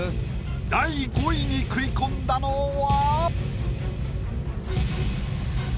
第５位に食い込んだのは？